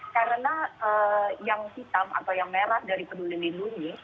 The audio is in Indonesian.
karena yang hitam atau yang merah dari peduli lindungi